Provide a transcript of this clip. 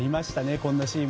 こんなシーン。